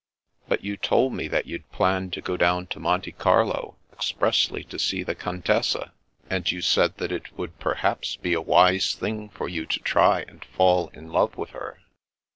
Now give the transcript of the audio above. " But you told me that you'd planned to go down to Monte Carlo expressly to see the Contessa ; and you said that it would perhaps be a wise thing for you to try and fall in love with her."